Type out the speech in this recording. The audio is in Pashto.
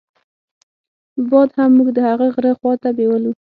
باد هم موږ د هغه غره خواته بېولو.